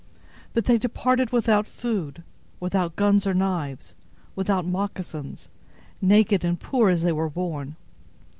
But they departed without food, without guns or knives, without moccasins, naked and poor as they were born.